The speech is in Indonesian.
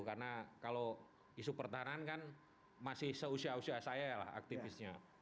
karena kalau isu pertahanan kan masih seusia usia saya lah aktivisnya